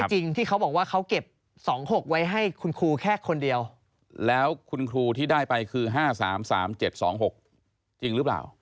จริงที่เขาบอกว่าเขาเก็บ๒๖ไว้ให้คุณครูแค่คนเดียวแล้วคุณครูที่ได้ไปคือ๕๓๓๗๒๖จริงหรือเปล่า